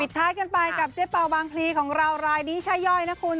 ท้ายกันไปกับเจ๊เป่าบางพลีของเรารายนี้ใช่ย่อยนะคุณ